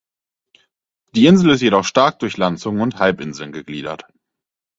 Die Insel ist jedoch stark durch Landzungen und Halbinseln gegliedert.